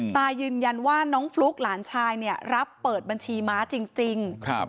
ตายืนยันว่าน้องฟลุ๊กหลานชายเนี่ยรับเปิดบัญชีม้าจริง